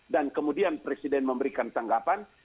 dan kemudian presiden memberikan tanggapan